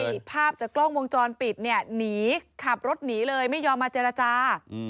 ใช่ภาพจากกล้องวงจรปิดเนี่ยหนีขับรถหนีเลยไม่ยอมมาเจรจา